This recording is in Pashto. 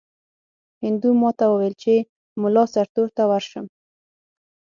هندو ماته وویل چې مُلا سرتور ته ورشم.